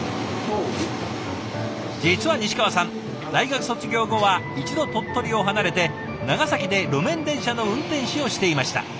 実は西川さん大学卒業後は一度鳥取を離れて長崎で路面電車の運転士をしていました。